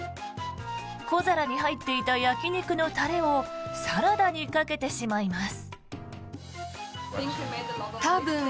小皿に入っていた焼き肉のタレをサラダにかけてしまいます。